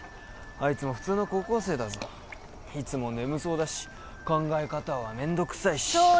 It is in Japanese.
あいつも普通の高校生だぞいつも眠そうだし考え方は面倒くさいしそう